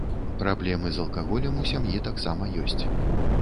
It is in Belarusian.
Праблемы з алкаголем у сям'і таксама ёсць.